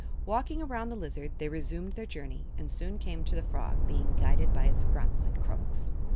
Walking around the lizard they resumed their journey and soon came to the frog, being guided by its grunts and croaks.